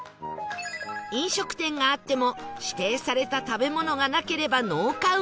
飲食店があっても指定された食べ物がなければノーカウント